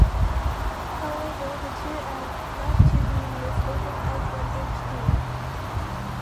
However, the two are not to be mistaken as one entity.